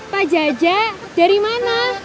pak jajak dari mana